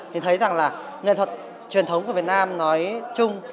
thì thấy rằng là nghệ thuật truyền thống của việt nam nói chung